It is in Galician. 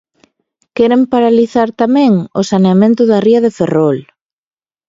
Queren paralizar tamén o saneamento da ría de Ferrol.